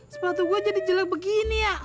seperti gua jadi jelek begini